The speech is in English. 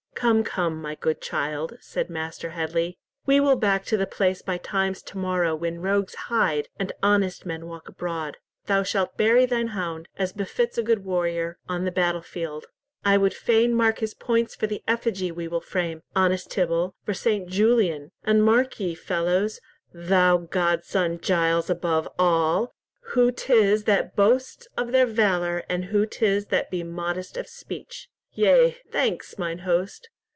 "Come, come, my good child," said Master Headley; "we will back to the place by times to morrow when rogues hide and honest men walk abroad. Thou shalt bury thine hound, as befits a good warrior, on the battle field. I would fain mark his points for the effigy we will frame, honest Tibble, for St. Julian. And mark ye, fellows, thou godson Giles, above all, who 'tis that boast of their valour, and who 'tis that be modest of speech. Yea, thanks, mine host.